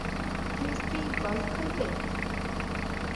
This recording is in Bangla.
ফ্রিসবি গলফ খেলবে?